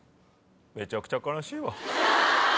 めちゃくちゃ悲しいわ。